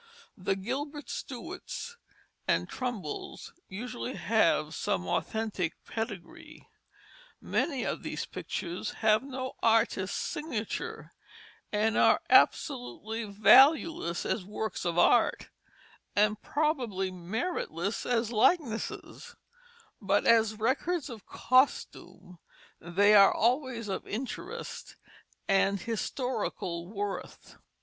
The Gilbert Stuarts and Trumbulls usually have some authentic pedigree. Many of these pictures have no artist's signature and are absolutely valueless as works of art, and probably meritless as likenesses; but as records of costume they are always of interest and historical worth.